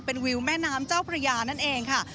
เป็นวิวแม่น้ำเจ้าพระยานั่นเองค่ะ